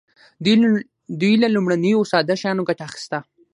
دوی له لومړنیو او ساده شیانو ګټه اخیسته.